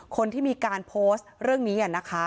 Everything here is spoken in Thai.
คนที่มีการโพสต์เรื่องนี้นะคะ